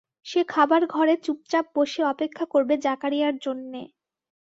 সে খাবার ঘরে চুপচাপ বসে অপেক্ষা করবে জাকারিয়ার জন্যে।